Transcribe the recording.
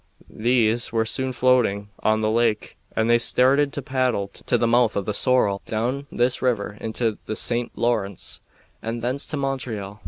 These were soon floating on the lake, and they started to paddle to the mouth of the Sorrel, down this river into the St. Lawrence, and thence to Montreal.